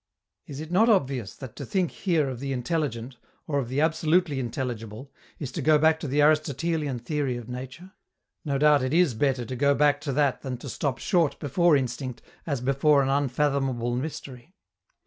Is it not obvious that to think here of the intelligent, or of the absolutely intelligible, is to go back to the Aristotelian theory of nature? No doubt it is better to go back to that than to stop short before instinct as before an unfathomable mystery.